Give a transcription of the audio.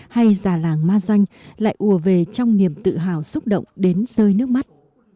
hay già làng ma doanh lại ùa về trong niềm tự hào xúc động đến rơi nước mắt